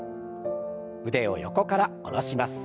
腕を横から下ろします。